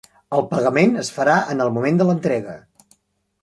El pagament es farà en el moment de l'entrega.